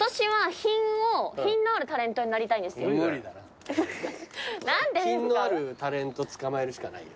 品のあるタレントつかまえるしかないよ。